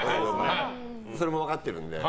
それも分かってるんで。